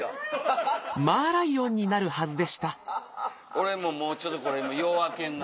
俺ももうちょっとこれよう開けんな。